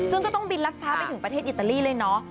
ซึ่งก็ต้องบินรัดฟ้าไปถึงประเทศอิตาลีเลยเนาะ